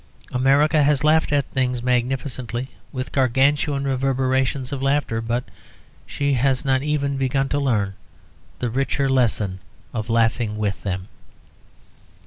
America has laughed at things magnificently, with Gargantuan reverberations of laughter. But she has not even begun to learn the richer lesson of laughing with them.